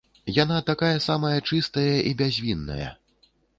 Яна такая самая чыстая і бязвінная.